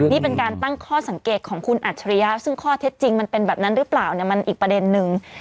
นี่เป็นการตั้งข้อสังเกตของคุณอัจฉริยะซึ่งข้อเท็จจริงมันเป็นแบบนั้นหรือเปล่าเนี่ยมันอีกประเด็นนึง